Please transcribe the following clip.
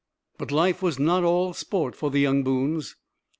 But life was not all sport for the young Boones.